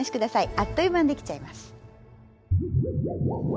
あっという間にできちゃいます。